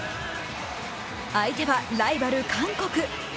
相手はライバル・韓国。